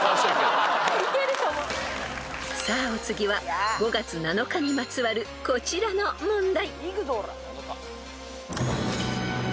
［さあお次は５月７日にまつわるこちらの問題］